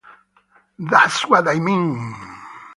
That's what I mean!